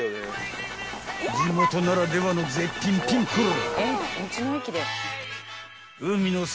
［地元ならではの絶品ぴんこら］